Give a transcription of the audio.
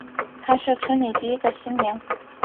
她是村里第一个新娘